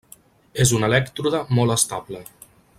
És un elèctrode molt estable.